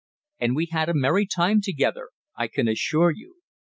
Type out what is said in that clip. And we had a merry time together, I can assure you.